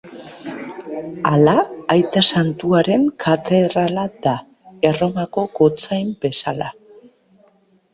Hala, Aita Santuaren katedrala da, Erromako Gotzain bezala.